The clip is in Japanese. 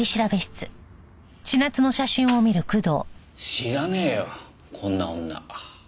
知らねえよこんな女。